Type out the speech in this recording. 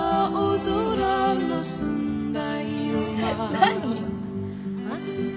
何？